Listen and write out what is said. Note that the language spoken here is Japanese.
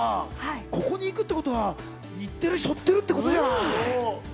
ここに行くってことは日テレを背負ってるってことじゃん！